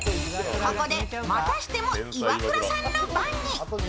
ここでまたしてもイワクラさんの番に。